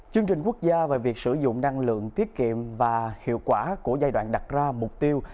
chương trình quốc gia về việc sử dụng năng lượng tiết kiệm và hiệu quả của giai đoạn đặt ra mục tiêu